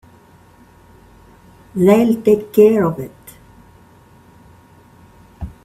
They'll take care of it.